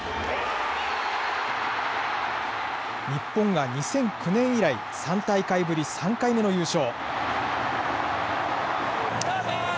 日本が２００９年以来、３大会ぶり３回目の優勝。